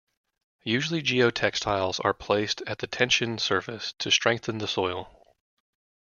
Usually geotextiles are placed at the tension surface to strengthen the soil.